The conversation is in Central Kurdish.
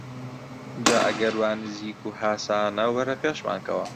جا ئەگەر وا نزیک و هاسانە وەرە پێشمان کەوە!